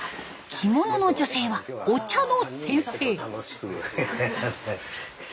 着物の女性はお茶の先生。